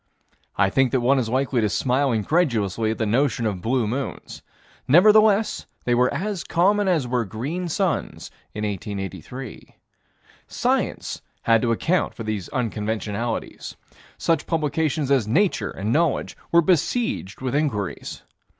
I think that one is likely to smile incredulously at the notion of blue moons. Nevertheless they were as common as were green suns in 1883. Science had to account for these unconventionalities. Such publications as Nature and Knowledge were besieged with inquiries.